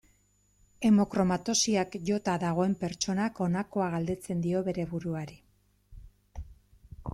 Hemokromatosiak jota dagoen pertsonak honakoa galdetzen dio bere buruari.